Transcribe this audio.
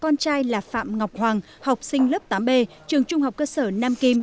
ngọc hoàng học sinh lớp tám b trường trung học cơ sở nam kim